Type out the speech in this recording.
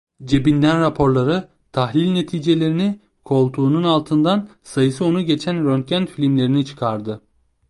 Cebinden raporları, tahlil neticelerini, koltuğunun altından, sayısı onu geçen röntgen filmlerini çıkardı.